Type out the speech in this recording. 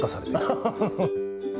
ハハハハハ。